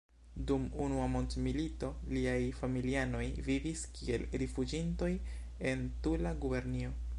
Dum Unua mondmilito, liaj familianoj vivis kiel rifuĝintoj en Tula gubernio.